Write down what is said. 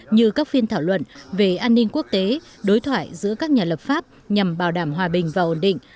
như các phiên thảo luận về an ninh quốc tế đối thoại giữa các nhà lập pháp nhằm bảo đảm hòa bình và ổn định